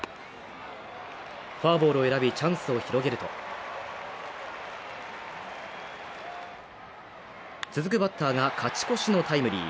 フォアボールを選び、チャンスを広げると続くバッターが勝ち越しのタイムリー。